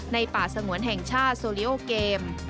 ป่าสงวนแห่งชาติโซลิโอเกม